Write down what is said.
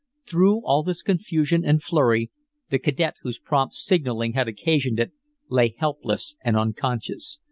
Through all this confusion and flurry the cadet whose prompt signaling had occasioned it lay helpless and unconscious.